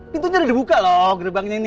pintunya udah dibuka loh gerbangnya ini